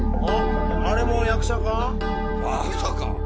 あれも役者か？